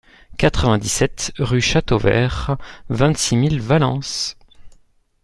quatre-vingt-dix-sept rue Chateauvert, vingt-six mille Valence